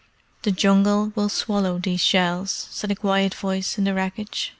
"The Jungle will swallow these shells," said a quiet voice in the wreckage.